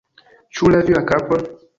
Ĉu lavi la kapon?